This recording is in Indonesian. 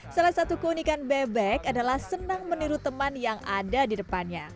salah satu keunikan bebek adalah senang meniru teman yang ada di depannya